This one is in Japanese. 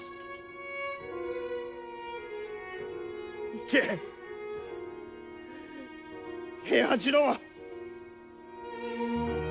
行け、平八郎。